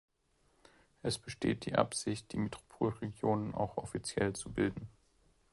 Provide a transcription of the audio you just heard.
Es besteht die Absicht, die Metropolregion auch offiziell zu bilden.